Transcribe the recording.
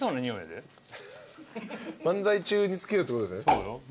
漫才中につけるってことですね。